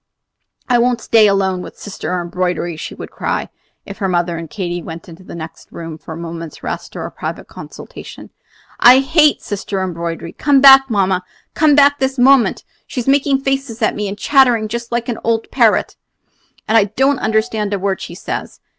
"I won't stay here alone with Sister Embroidery," she would cry, if her mother and Katy went into the next room for a moment's rest or a private consultation; "I hate Sister Embroidery! Come back, mamma, come back this moment! She's making faces at me, and chattering just like an old parrot, and I don't understand a word she says.